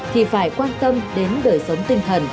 thì phải quan tâm đến đời sống tinh thần